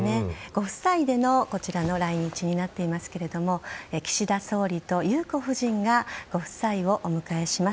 ご夫妻での来日になっていますけども岸田総理と裕子夫人がご夫妻をお迎えします。